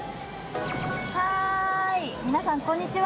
皆さん、こんにちは。